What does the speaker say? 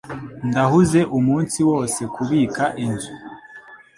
Ndahuze umunsi wose kubika inzu.